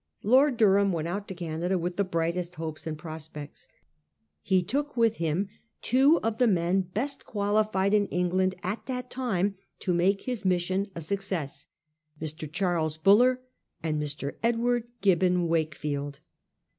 Lord Durham went out to Canada with the brightest hopes and prospects. He took with him two of the men best qualified in England at that time to make his mission a success — Mr. Charles Buller and Mr. Edward Gibbon Wakefield.